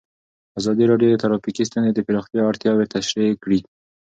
ازادي راډیو د ټرافیکي ستونزې د پراختیا اړتیاوې تشریح کړي.